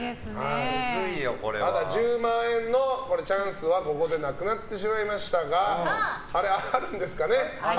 ただ、１０万円のチャンスはここでなくなってしまいましたがあれ、あるんですかね？